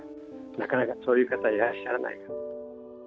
なかなかそういう方いらっしゃらない。